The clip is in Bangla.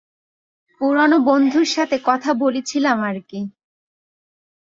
পুরানো বন্ধুর সাথে কথা বলছিলাম আরকি।